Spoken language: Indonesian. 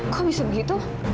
kok bisa begitu